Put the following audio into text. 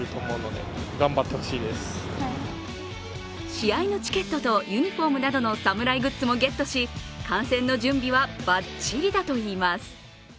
試合のチケットとユニフォームなどの侍グッズもゲットし観戦の準備はバッチリだといいます。